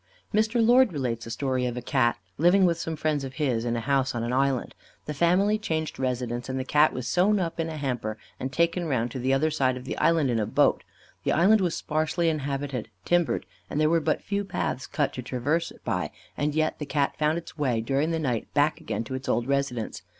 Mr. Lord relates a story of a Cat living with some friends of his in a house on an island. The family changed residence, and the Cat was sewn up in a hamper and taken round to the other side of the island in a boat. The island was sparsely inhabited, timbered, and there were but few paths cut to traverse it by, and yet the Cat found its way during the night back again to its old residence.